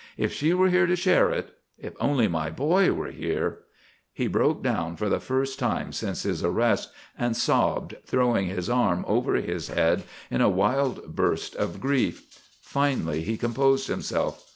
If she were here to share it if only my boy were here " He broke down for the first time since his arrest, and sobbed, throwing his arms over his head in a wild burst of grief. Finally he composed himself.